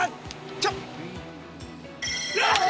ちょっ。